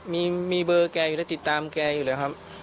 มีเบอร์แกอยู่แล้วติดตามแกอยู่แล้วครับ